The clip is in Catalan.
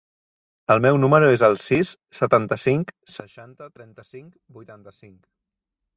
El meu número es el sis, setanta-cinc, seixanta, trenta-cinc, vuitanta-cinc.